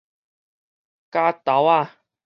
絞豆仔